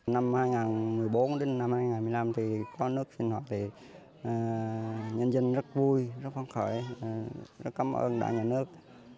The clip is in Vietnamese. năm hai nghìn một mươi bốn hai nghìn một mươi năm có nước sinh hoạt nhân dân rất vui rất phong khởi rất cảm ơn đại nhà nước